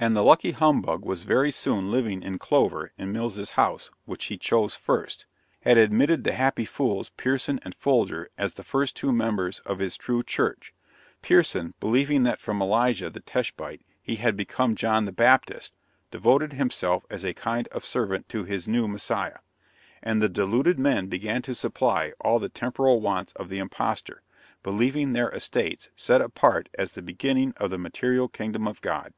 And the lucky humbug was very soon living in clover in Mills' house, which he chose first; had admitted the happy fools, Pierson and Folger, as the first two members of his true church; Pierson, believing that from Elijah the Tishbite he had become John the Baptist, devoted himself as a kind of servant to his new Messiah; and the deluded men began to supply all the temporal wants of the impostor, believing their estates set apart as the beginning of the material Kingdom of God!